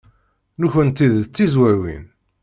Nekkenti d Tizwawin.